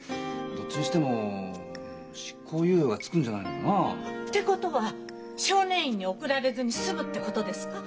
どっちにしても執行猶予がつくんじゃないのかなあ？ってことは少年院に送られずに済むってことですか？